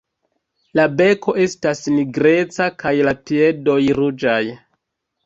La beko estas nigreca kaj la piedoj ruĝaj.